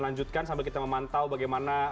lanjutkan sambil kita memantau bagaimana